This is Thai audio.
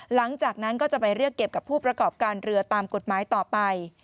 หลังจากนั้นก็จะไปเรียกเก็บกับผู้ประกอบการเรือตามกฎหมายต่อไป